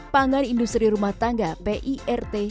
pangan industri rumah tangga pirt